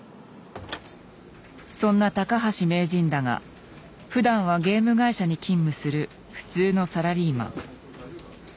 そんな高橋名人だがふだんはゲーム会社に勤務する普通のサラリーマン。